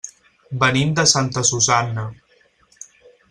Venim de Santa Susanna.